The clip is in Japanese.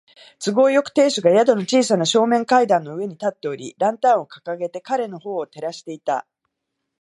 都合よく、亭主が宿の小さな正面階段の上に立っており、ランタンをかかげて彼のほうを照らしていた。